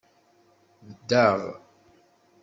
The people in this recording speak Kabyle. Daɣ.